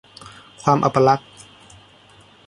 ความอัปลักษณ์